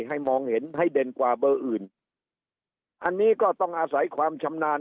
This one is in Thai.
มองเห็นให้เด่นกว่าเบอร์อื่นอันนี้ก็ต้องอาศัยความชำนาญ